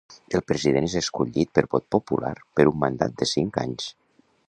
El president és escollit per vot popular per a un mandat de cinc anys.